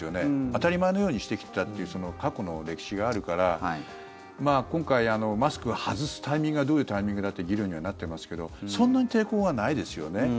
当たり前のようにしてきたという過去の歴史があるから今回、マスクを外すタイミングはどういうタイミングだって議論にはなってますけどそんなに抵抗はないですよね。